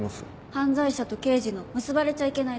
犯罪者と刑事の結ばれちゃいけない